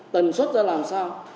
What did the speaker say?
tần suất ra làm sao